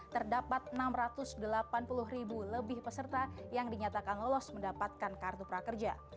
terdapat enam ratus delapan puluh ribu lebih peserta yang dinyatakan lolos mendapatkan kartu prakerja